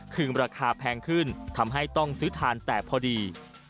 คือราคาแพงขึ้นทำให้ต้องซื้อทานแต่พอดี